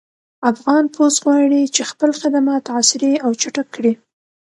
افغان پُست غواړي چې خپل خدمات عصري او چټک کړي